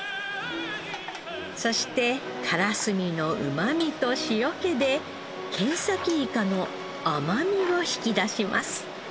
そしてカラスミのうまみと塩気でケンサキイカの甘みを引き出します。